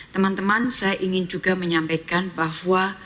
teman teman saya ingin juga menyampaikan bahwa